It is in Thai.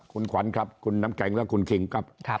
คุณขวัญครับคุณน้ำแข็งและคุณคิงครับ